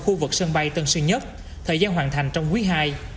khu vực sân bay tân sơn nhất thời gian hoàn thành trong quý ii